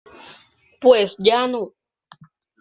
pues ya no.